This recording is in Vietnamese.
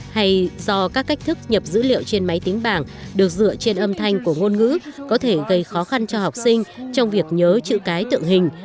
hay do các cách thức nhập dữ liệu trên máy tính bảng được dựa trên âm thanh của ngôn ngữ có thể gây khó khăn cho học sinh trong việc nhớ chữ cái tượng hình